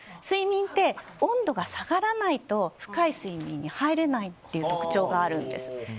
睡眠って温度が下がらないと深い睡眠に入れないという特徴があるんです。